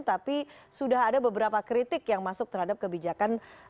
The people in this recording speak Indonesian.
tapi sudah ada beberapa kritik yang masuk terhadap kebijakan